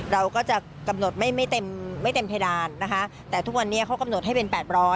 เราก็จะกำหนดไม่ไม่เต็มไม่เต็มเพดานนะคะแต่ทุกวันนี้เขากำหนดให้เป็น๘๐๐